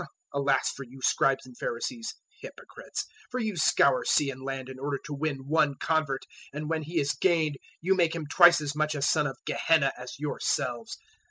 023:014 [] 023:015 "Alas for you, Scribes and Pharisees, hypocrites, for you scour sea and land in order to win one convert and when he is gained, you make him twice as much a son of Gehenna as yourselves.